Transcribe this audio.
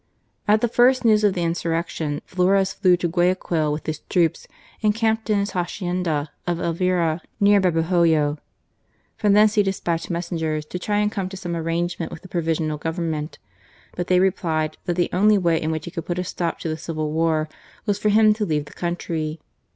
At the first news of the Insurrection Flores flew to Guayaquil with his troops and camped in his hacienda of Elvira, near Babahoyo. From thence he despatched messengers to try and come to some arrangement with the provisional Government. But they replied that the only way in which he could put a stop to the Civil War was for him to leave the country.